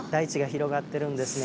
広がってるんですね。